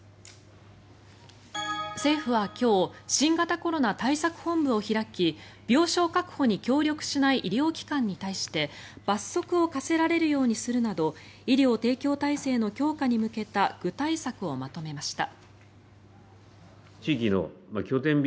政府は今日新型コロナ対策本部を開き病床確保に協力しない医療機関に対して罰則を科せられるようにするなど医療提供体制の強化に向けた具体策をまとめました。